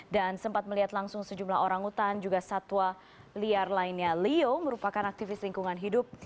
dan sempat melihat langsung sejumlah orang hutan juga satwa liar lainnya leo merupakan aktivis lingkungan hidup